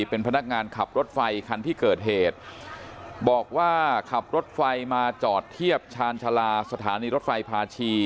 เป็นพนักงานขับรถไฟคันที่เกิดเหตุบอกว่าขับรถไฟมาจอดเทียบชาญชาลาสถานีรถไฟพาชี